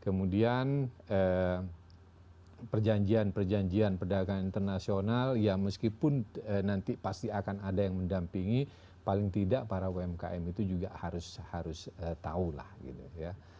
kemudian perjanjian perjanjian perdagangan internasional ya meskipun nanti pasti akan ada yang mendampingi paling tidak para umkm itu juga harus tahu lah gitu ya